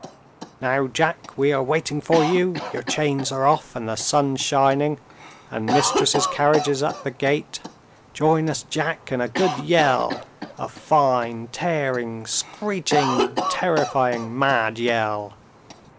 'Now, Jack! we are waiting for you; your chains are off, and the sun's shining, and Mistress's carriage is at the gate join us, Jack, in a good yell; a fine, tearing, screeching, terrifying, mad yell!'